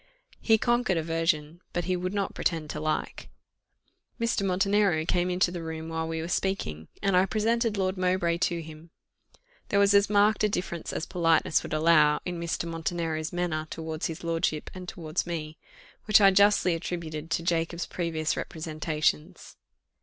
He conquered aversion, but he would not pretend to like. Mr. Montenero came into the room while we were speaking, and I presented Lord Mowbray to him. There was as marked a difference as politeness would allow in Mr. Montenero's manner towards his lordship and towards me, which I justly attributed to Jacob's previous representations.